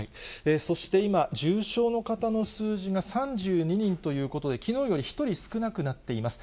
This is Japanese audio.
そして今、重症の方の数字が３２人ということで、きのうより１人少なくなっています。